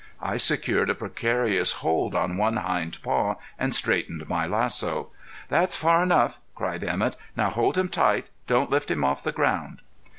I secured a precarious hold on one hind paw and straightened my lasso. "That's far enough," cried Emett. "Now hold him tight; don't lift him off the ground."